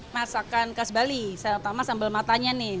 masakan khas bali saya utama sambal matanya nih